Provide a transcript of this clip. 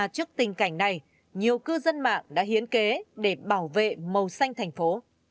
trước tình cảnh này nhiều cư dân mạng đã hiến kế để bảo vệ màu xanh thành phố